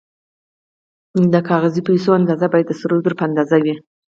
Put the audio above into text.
د کاغذي پیسو اندازه باید د سرو زرو په اندازه وي